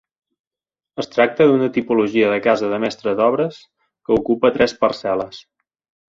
Es tracta d'una tipologia de casa de mestre d'obres que ocupa tres parcel·les.